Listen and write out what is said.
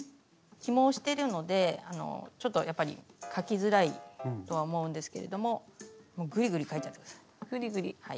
起毛してるのでちょっとやっぱり描きづらいとは思うんですけれどももうぐりぐり描いちゃって下さい。